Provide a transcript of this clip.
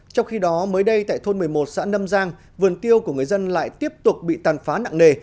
trong khi đó mới đây tại thôn một mươi một xã nâm giang vườn tiêu của người dân lại tiếp tục bị tàn phá nặng nề